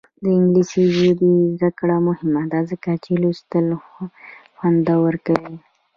د انګلیسي ژبې زده کړه مهمه ده ځکه چې لوستل خوندور کوي.